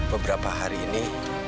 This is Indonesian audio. beberapa hari ini